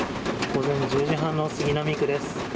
午前１０時半の杉並区です。